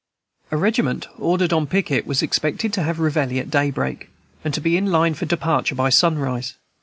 A regiment ordered on picket was expected to have reveille at daybreak, and to be in line for departure by sunrise.